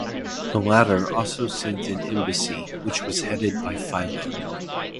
The latter also sent an embassy, which was headed by Philo.